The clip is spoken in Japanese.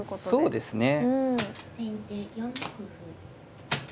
そうですね。